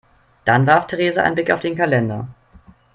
Dann warf Theresa einen Blick auf den Kalender.